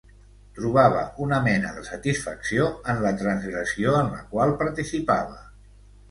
Trobava una mena de satisfacció en la transgressió en la qual participava.